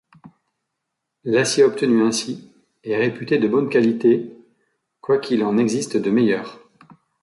L'acier obtenu ainsi est réputé de bonne qualité, quoiqu'il en existe de meilleurs.